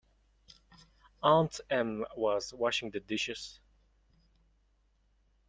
Aunt Em was washing the dishes.